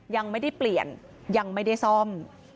ยังไม่ได้เปลี่ยนยังไม่ได้ซ่อม